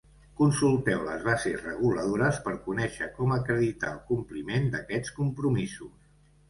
Consulteu les bases reguladores per conèixer com acreditar el compliment d'aquests compromisos.